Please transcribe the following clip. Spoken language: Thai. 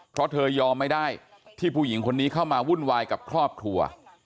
เพราะเธอยอมไม่ได้ที่ผู้หญิงคนนี้เข้ามาวุ่นวายกับครอบครัว